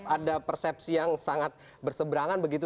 ada persepsi yang sangat berseberangan begitu